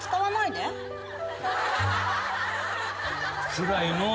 つらいのう。